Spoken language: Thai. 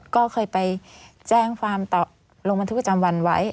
ก็เคยไปแจ้งความต่อลงบันทึกประจำวันไว้